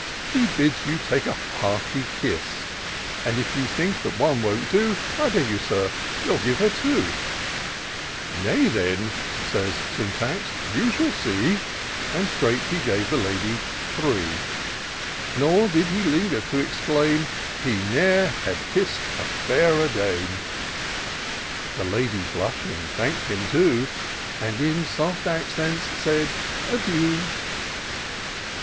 She bids you take a hearty kiss ; And if you think that one won't do, I beg, dear Sir, you'll give her two ;"" Nay, then," says Syntax, " you shall see ;'* And straight he gave the Lady three ; Nor did he linger to exclaim, " He ne'er had kiss'd a fairer dame," The Lady blushing, thank'd him too, And in soft accents, said —" Adieu